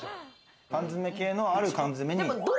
缶詰系のある缶詰に。